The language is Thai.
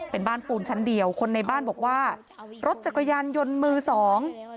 เป็นบ้านปูนชั้นเดียวคนในบ้านบอกว่ารถจักรยานยนต์มือสอง